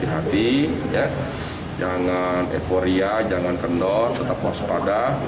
hati hati jangan eporia jangan kendor tetap waspada